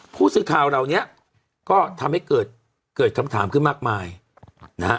ผู้สื่อข่าวเหล่านี้ก็ทำให้เกิดเกิดคำถามขึ้นมากมายนะฮะ